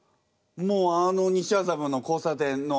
もうあの西麻布の交差点の。